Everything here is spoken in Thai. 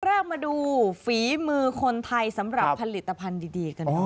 มาดูฝีมือคนไทยสำหรับผลิตภัณฑ์ดีกันหน่อย